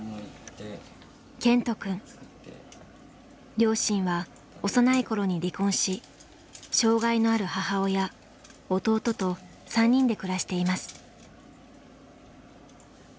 両親は幼い頃に離婚し障害のある母親弟と３人で暮らしています。